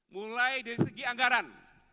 mulai dari segi anggaran